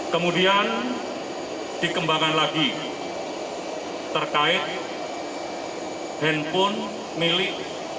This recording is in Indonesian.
kemudian dikembangkan lagi terkait handphone milik